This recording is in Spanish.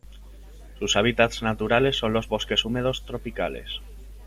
Sus hábitats naturales son los bosque húmedos tropicales.